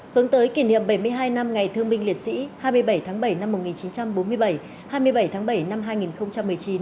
hướng tới kỷ niệm bảy mươi hai năm ngày thương binh liệt sĩ hai mươi bảy tháng bảy năm một nghìn chín trăm bốn mươi bảy hai mươi bảy tháng bảy năm hai nghìn một mươi chín